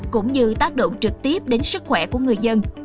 cũng như tác động trực tiếp đến sức khỏe của người dân